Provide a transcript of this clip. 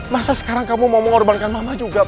masa sekarang kamu mau mengorbankan mama juga